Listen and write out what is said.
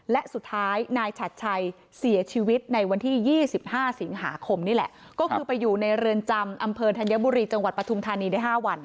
และสุดท้ายนายฉัดชัยเสียชีวิตในวันที่๒๕สิงหาคมนี่แหละก็คือไปอยู่ในเรือนจำอำเภอธัญบุรีจังหวัดปฐุมธานีได้๕วัน